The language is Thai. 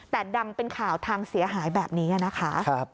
แต่ดำเป็นข่าวทางเสียหายแบบนี้นะคะ